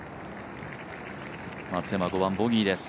松山５番、ボギーです。